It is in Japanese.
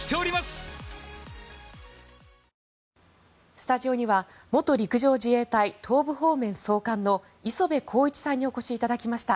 スタジオには元陸上自衛隊東部方面総監の磯部晃一さんにお越しいただきました。